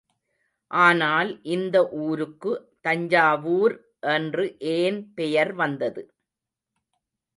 ஆனால் இந்த ஊருக்கு தஞ்சாவூர் என்று ஏன் பெயர் வந்தது?.